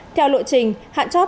theo lộ trình hạn chót